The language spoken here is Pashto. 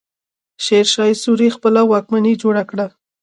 شېرشاه سوري خپله واکمني جوړه کړه.